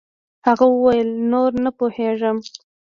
هغه وويل نور نه پوهېږم.